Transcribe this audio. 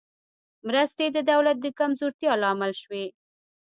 مرستې د دولت د کمزورتیا لامل شوې.